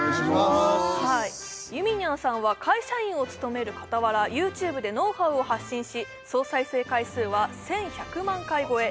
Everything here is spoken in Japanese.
ゆみにゃんさんは会社員を務める傍らＹｏｕＴｕｂｅでノウハウを発信し総再生回数は１１００万回超え